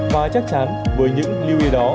và chắc chắn với những lưu ý đó